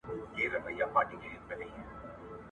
دا غږ د یوې ورکې شوې هیلې په څېر و.